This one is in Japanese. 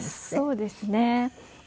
そうですね。